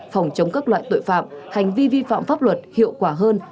phòng chống các loại tội phạm hành vi vi phạm pháp luật hiệu quả hơn